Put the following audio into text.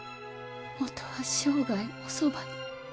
もとは生涯おそばに。